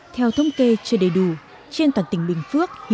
theo thông kê chưa đầy đủ trên toàn tỉnh bình phước